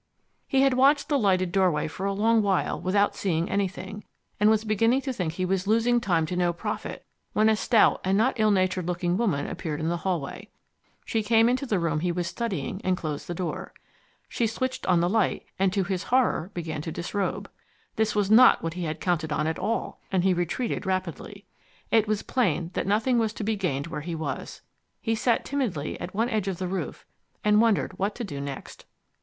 He had watched the lighted doorway for a long while without seeing anything, and was beginning to think he was losing time to no profit when a stout and not ill natured looking woman appeared in the hallway. She came into the room he was studying, and closed the door. She switched on the light, and to his horror began to disrobe. This was not what he had counted on at all, and he retreated rapidly. It was plain that nothing was to be gained where he was. He sat timidly at one edge of the roof and wondered what to do next.